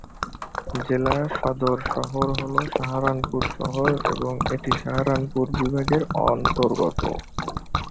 জেলা সদর শহর হল সাহারানপুর শহর এবং এটি সাহারানপুর বিভাগের অন্তর্গত।